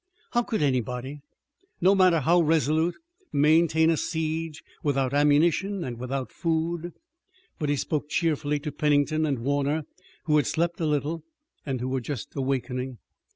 How could anybody, no matter how resolute, maintain a siege without ammunition and without food. But he spoke cheerfully to Pennington and Warner, who had slept a little and who were just awakening.